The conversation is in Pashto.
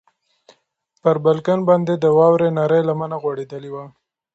پر بالکن باندې د واورې نرۍ لمنه غوړېدلې وه.